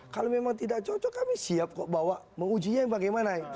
kalau memang tidak cocok kami siap kok bawa mengujinya bagaimana